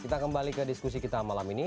kita kembali ke diskusi kita malam ini